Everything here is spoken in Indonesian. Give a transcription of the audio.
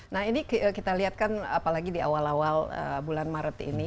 nah ini kita lihat kan apalagi di awal awal bulan maret ini